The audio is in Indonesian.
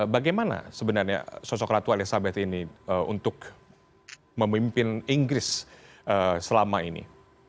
bagaimana sebenarnya sosok ratu elizabeth ini untuk memimpin inggris selama ini